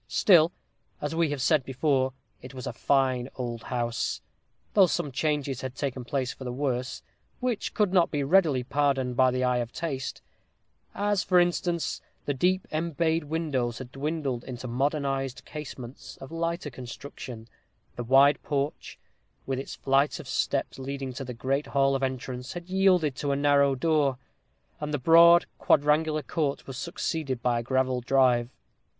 Still, as we said before, it was a fine old house, though some changes had taken place for the worse, which could not be readily pardoned by the eye of taste: as, for instance, the deep embayed windows had dwindled into modernized casements, of lighter construction; the wide porch, with its flight of steps leading to the great hall of entrance, had yielded to a narrow door; and the broad quadrangular court was succeeded by a gravel drive.